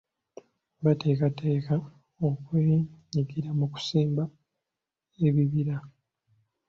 Bateekateeka kwenyigira mu kusimba ebibira.